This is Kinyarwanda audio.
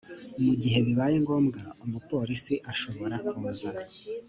mu gihe bibaye ngombwa umupolisi ashobora kuza